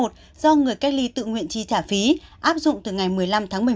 do người cách ly tự nguyện chi trả phí áp dụng từ ngày một mươi năm tháng một mươi một